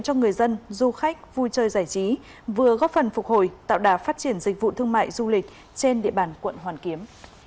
cho người dân du khách vui chơi giải trí vừa góp phần phục hồi tạo đà phát triển dịch vụ thương mại du lịch trên địa bàn quận hoàn kiếm